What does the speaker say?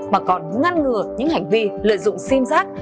mà còn ngăn ngừa những hành vi lợi dụng sim giác